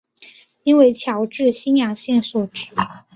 应为侨置新阳县所置。